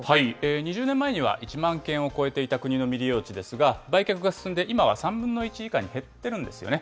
２０年前には１万件を超えていた国の未利用地ですが、売却が進んで今は３分の１以下に減ってるんですよね。